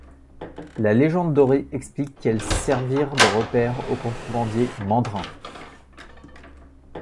La légende dorée explique qu'elles servirent de repaire au contrebandier Mandrin.